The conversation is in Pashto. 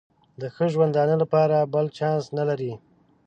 د ښه ژوندانه لپاره بل چانس نه لري.